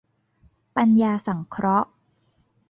ปัญญาสังเคราะห์